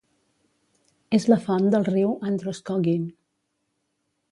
És la font del riu Androscoggin.